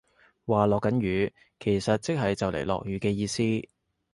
話落緊雨其實即係就嚟落雨嘅意思